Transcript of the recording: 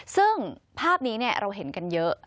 ซึ่งภาพนี้เราเห็นกันเยอะ